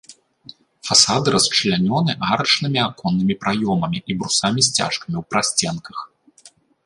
Фасады расчлянёны арачнымі аконнымі праёмамі і брусамі-сцяжкамі ў прасценках.